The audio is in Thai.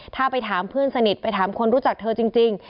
ถ้าไปถามเพื่อนสนิทไปถามคนรู้จักเธอจริง